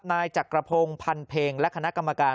นายจักรพงศ์พันเพ็งและคณะกรรมการ